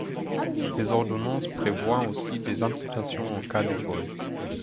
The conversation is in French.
Les ordonnances prévoient aussi des amputations en cas de vol.